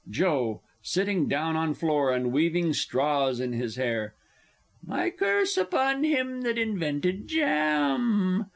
Joe (sitting down on floor, and weaving straws in his hair.) My curse upon him that invented jam.